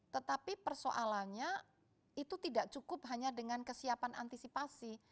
tetapi persoalannya itu tidak cukup hanya dengan kesiapan antisipasi